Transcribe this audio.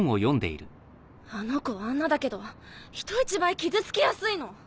あの子あんなだけど人一倍傷つきやすいの。